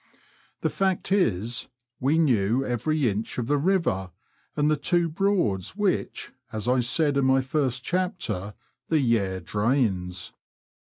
The fact is, we knew every inch of the river and the two Broads which, as I said in my first chapter, the Yare drains.